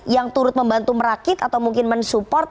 yang turut membantu merakit atau mungkin men support